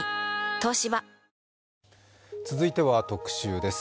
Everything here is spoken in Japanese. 東芝続いては特集です。